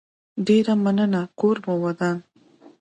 ډيره مننه کور مو ودان